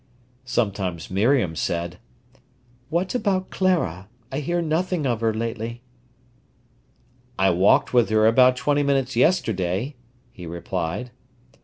Sometimes Miriam said: "What about Clara? I hear nothing of her lately." "I walked with her about twenty minutes yesterday," he replied.